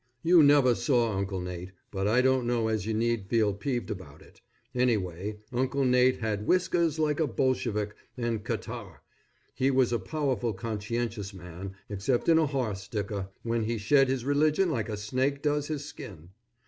You never saw Uncle Nate; but I don't know as you need feel peeved about it. Anyway, Uncle Nate had whiskers like a Bolshevik, and catarrh. He was a powerful conscientious man, except in a horse dicker, when he shed his religion like a snake does his skin.